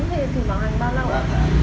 thì thử bảo hành bao lâu ạ